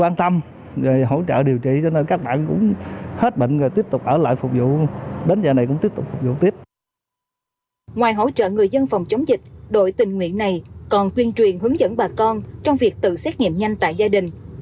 ngoài hỗ trợ người dân phòng chống dịch đội tình nguyện này còn tuyên truyền hướng dẫn bà con trong việc tự xét nghiệm nhanh tại gia đình